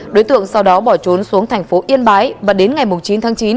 đối tượng sau đó bỏ trốn xuống thành phố yên bái và đến ngày chín tháng chín